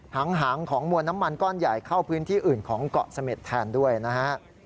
หางของมวลน้ำมันก้อนใหญ่เข้าพื้นที่อื่นของเกาะเสม็ดแทนด้วยนะฮะ